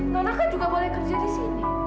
nona kan juga boleh kerja disini